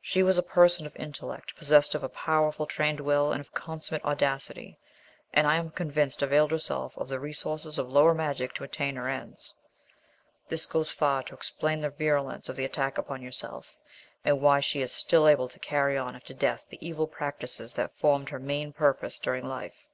She was a person of intellect, possessed of a powerful, trained will, and of consummate audacity, and I am convinced availed herself of the resources of the lower magic to attain her ends. This goes far to explain the virulence of the attack upon yourself, and why she is still able to carry on after death the evil practices that formed her main purpose during life."